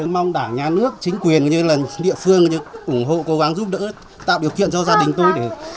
mong đảng nhà nước chính quyền cũng như là địa phương ủng hộ cố gắng giúp đỡ tạo điều kiện cho gia đình tôi để